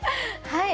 はい！